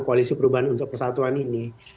koalisi perubahan untuk persatuan ini